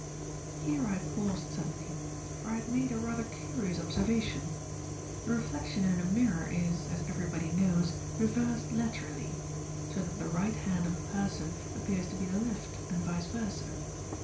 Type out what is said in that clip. Here I paused suddenly, for I had made a rather curious observation. The reflection in a mirror is, as everybody knows, reversed laterally; so that the right hand of a person appears to be the left, and vice versa.